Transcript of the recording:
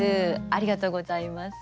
ありがとうございます。